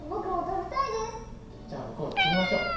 じゃあむこういってみましょう。